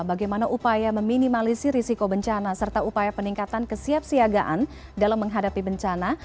bagaimana upaya meminimalisi risiko bencana serta upaya peningkatan kesiapsiagaan dalam menghadapi bencana